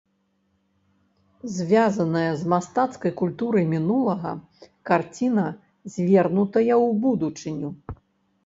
Звязаная з мастацкай культурай мінулага, карціна звернутая ў будучыню.